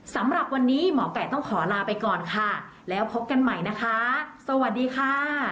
สำหรับวันนี้หมอไก่ต้องขอลาไปก่อนค่ะแล้วพบกันใหม่นะคะสวัสดีค่ะ